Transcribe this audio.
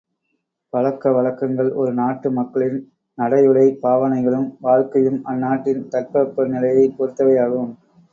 பழக்க வழக்கங்கள் ஒரு நாட்டு மக்களின் நடையுடை பாவனைகளும் வாழ்க்கையும் அந்நாட்டின் தட்பவெப்ப நிலையைப் பொறுத்தவையாகும்.